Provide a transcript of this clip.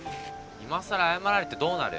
今さら謝られてどうなる？